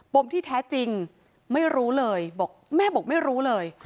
มที่แท้จริงไม่รู้เลยบอกแม่บอกไม่รู้เลย